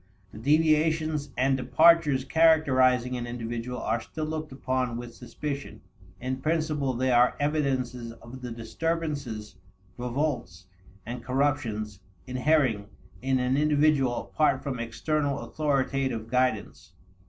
The deviations and departures characterizing an individual are still looked upon with suspicion; in principle they are evidences of the disturbances, revolts, and corruptions inhering in an individual apart from external authoritative guidance.